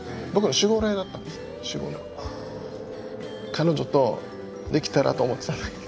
彼女とできたらと思ってたんですよ。